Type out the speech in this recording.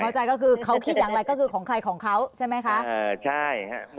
เขาคิดอย่างไรก็คือของใครของเขาใช่ไหมคะ